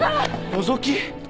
のぞき！？